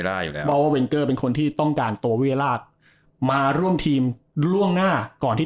เพราะว่าเวนเกอร์เป็นคนที่ต้องการตัวเวียราชมาร่วมทีมล่วงหน้าก่อนที่